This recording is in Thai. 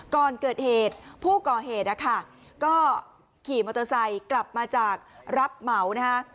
ก่อนเกิดเหตุผู้ก่อเหตุนะคะก็ขี่มอเตอร์ไซค์กลับมาจากรับเหมานะคะ